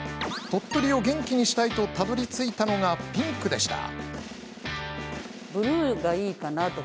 鳥取を元気にしたいとたどりついたのがピンクでした。